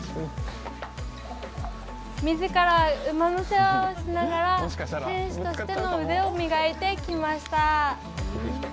みずから馬の世話をしながら選手としての腕を磨いてきました。